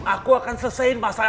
aku akan selesain masalah